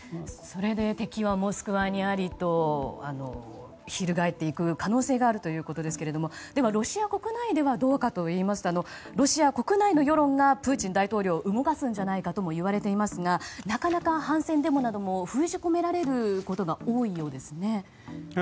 それで敵はモスクワにありとひるがえっていく可能性があるということですがでは、ロシア国内ではどうかといいますとロシア国内の世論がプーチン大統領を動かすんじゃないかとも言われていますがなかなか反戦デモなども封じ込められることが多いようですね。